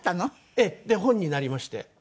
ええ。で本になりまして。